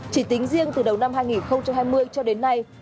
chỉ tính riêng từ đầu năm hai nghìn hai mươi cho đến nay